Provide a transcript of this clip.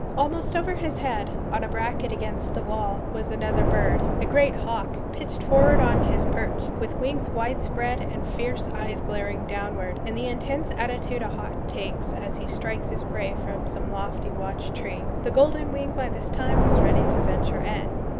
Almost over his head, on a bracket against the wall, was another bird, a great hawk, pitched forward on his perch, with wings wide spread and fierce eyes glaring downward, in the intense attitude a hawk takes as he strikes his prey from some lofty watch tree. The golden wing by this time was ready to venture in.